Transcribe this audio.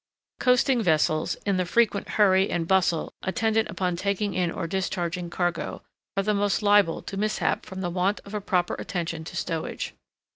Coasting vessels, in the frequent hurry and bustle attendant upon taking in or discharging cargo, are the most liable to mishap from the want of a proper attention to stowage.